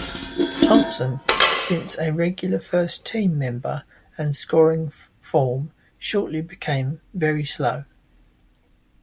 Thompson since a regular first team member and scoring form shortly became very slow.